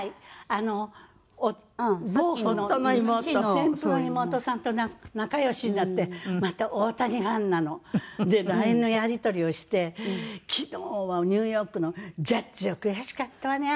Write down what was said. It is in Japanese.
あの亡夫の前夫の妹さんと仲良しになってまた大谷ファンなの。でＬＩＮＥのやり取りをして「昨日はニューヨークのジャッジは悔しかったわね」